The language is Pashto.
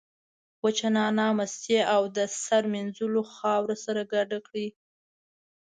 وچه نعناع، مستې او د سر مینځلو خاوره سره ګډ کړئ.